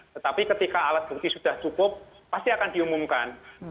tetapi ketika alat bukti sudah cukup pasti akan diumumkan